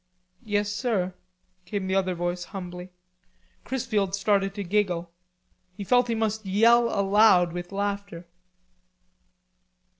"Yes, sir," came the other voice humbly. Chrisfield started to giggle. He felt he must yell aloud with laughter.